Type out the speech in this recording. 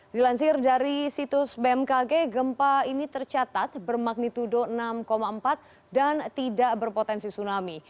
dilansir dari situs bmkg gempa ini tercatat bermagnitudo enam empat dan tidak berpotensi tsunami